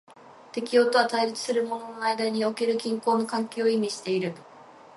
適応とは対立するものの間における均衡の関係を意味している。